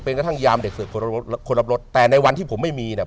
เด็กเสิร์ฟคนรับรถแต่ในวันที่ผมไม่มีเนี่ย